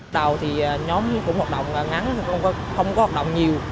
đầu thì nhóm cũng hoạt động ngắn không có hoạt động nhiều